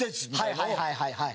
はいはいはいはい。